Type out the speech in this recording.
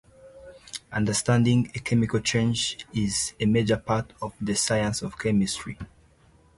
Understanding chemical changes is a major part of the science of chemistry.